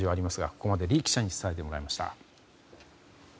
ここまで李記者に伝えてもらいました。